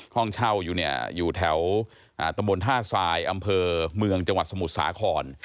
ห้องเช่าอยู่แถวตม๕สายอำเภอเมืองจังหวัดสมุทรสาขร